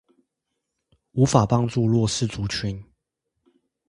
無法幫助弱勢族群